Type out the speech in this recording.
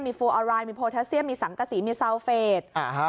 มีฟูอารายมีโพลเทอร์เซียมมีสังกะสีมีซาวเฟส